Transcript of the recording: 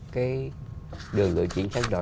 cái đường lưỡi chính sách đó